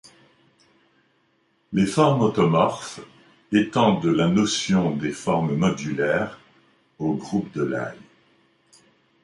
Les formes automorphes étendent la notion des formes modulaires aux groupes de Lie.